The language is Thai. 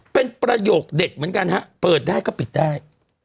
เป็นประโยคเด็ดเหมือนกันฮะเปิดได้ก็ปิดได้